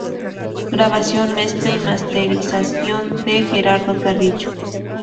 Grabación, mezcla y masterización de Gerardo Carrillo.